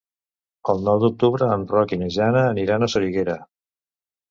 El nou d'octubre en Roc i na Jana aniran a Soriguera.